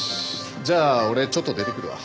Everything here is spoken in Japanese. じゃあ俺ちょっと出てくるわ。